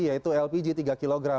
yaitu lpg tiga kg